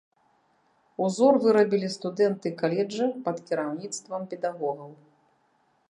Узор вырабілі студэнты каледжа пад кіраўніцтвам педагогаў.